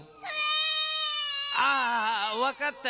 あああわかったよ。